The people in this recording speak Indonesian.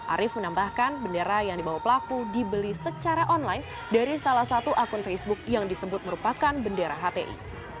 arief menambahkan bendera yang dibawa pelaku dibeli secara online dari salah satu akun facebook yang disebut merupakan bendera hti